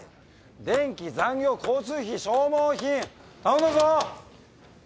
電気残業交通費消耗品頼んだぞ。